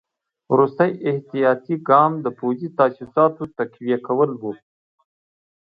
وروستی احتیاطي ګام د پوځي تاسیساتو تقویه کول وو.